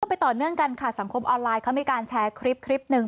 ไปต่อเนื่องกันค่ะสังคมออนไลน์เขามีการแชร์คลิปคลิปหนึ่ง